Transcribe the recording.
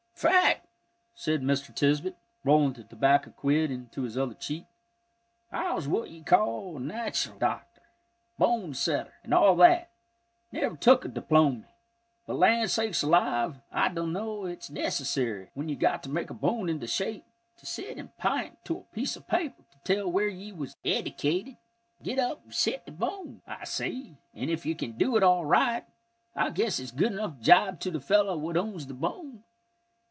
"Fact," said Mr. Tisbett, rolling the tobacco quid into his other cheek. "I was what ye might call a nat'ral doctor, bone setter, and all that; never took a diplomy but land sakes alive, I donno's it's necessary, when ye got to make a bone into shape, to set an' pint to a piece o' paper to tell where ye was eddicated. Git up an' set th' bone, I say, an' if ye can do it all right, I guess it's a good enough job to the feller what owns the bone.